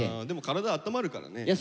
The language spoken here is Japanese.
でも体あったまるからね。